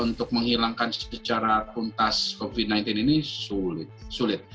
untuk menghilangkan secara tuntas covid sembilan belas ini sulit